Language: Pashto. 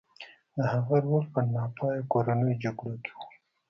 د هغه رول په ناپایه کورنیو جګړو کې و.